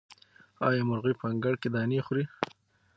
آیا مرغۍ په انګړ کې دانې خوري؟